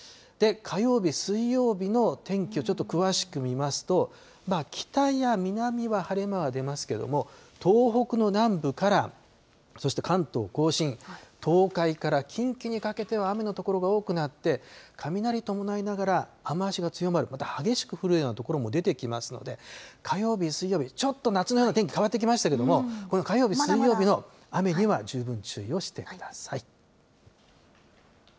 火曜日、水曜日の天気をちょっと詳しく見ますと、北や南は晴れ間が出ますけども、東北の南部からそして関東甲信、東海から近畿にかけては、雨の所が多くなって、雷伴いながら、雨足が強まる、また激しく降るような所も出てきますので、火曜日、水曜日、ちょっと夏のような天気、変わってきましたけれども、この火曜日、水曜日の雨には十分注意をしてください。